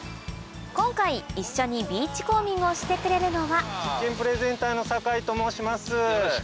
今回一緒にビーチコーミングをしてくれるのは実験プレゼンターの酒井と申します。